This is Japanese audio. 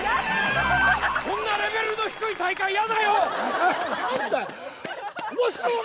こんなレベルの低い大会イヤだよ！